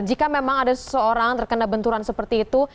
jika memang ada seseorang terkena benturan seperti itu